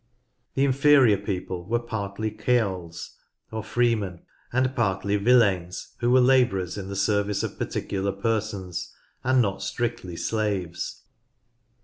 The inferior people were partly ceorls or freemen, and partly villeins who were labourers in the service of particular persons, and not strictly slaves.